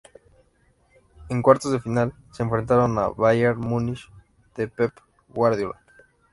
En cuartos de final, se enfrentaron al Bayern Múnich de Pep Guardiola.